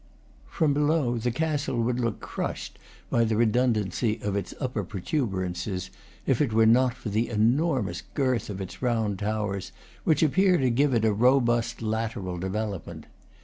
From below, the castle would look crushed by the redundancy of its upper protuberances if it were not for the enormous girth of its round towers, which appear to give it a robust lateral development.